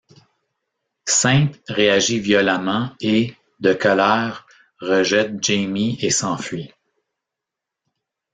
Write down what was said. Ste réagit violemment et, de colère, rejette Jamie et s'enfuit.